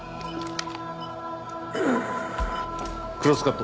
クロスカット。